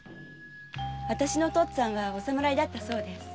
お父っつぁんはお侍だったそうです。